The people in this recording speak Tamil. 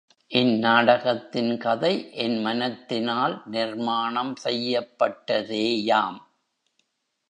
இந் நாடகத்தின் கதை என் மனத்தினால் நிர்மாணம் செய்யப்பட்டதேயாம்.